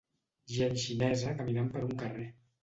Gent xinesa caminant per un carrer.